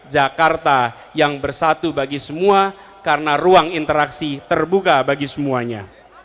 jakarta yang bersatu bagi semua karena ruang interaksi terbuka bagi semuanya